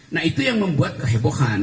nah itu yang membuat kehebohan